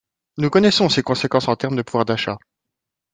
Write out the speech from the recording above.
Nous connaissons ses conséquences en termes de pouvoir d’achat.